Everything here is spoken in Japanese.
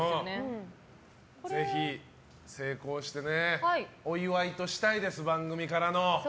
ぜひ成功してお祝いとしたいです番組からの。